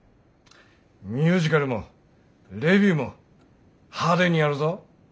ミュージカルもレヴューも派手にやるぞ。